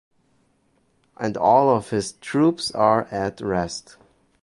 And all of his troops are at rest.